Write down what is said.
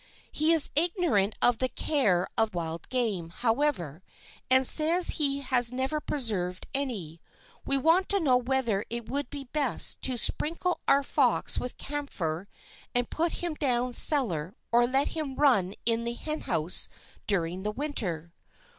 He is ignorant of the care of wild game, however, and says he has never preserved any. We want to know whether it would be best to sprinkle our fox with camphor and put him down cellar or let him run in the henhouse during the winter.